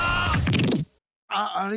あああれ？